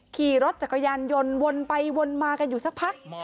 ขี่รถจักรยานยนต์วนไปวนมากันอยู่สักพัก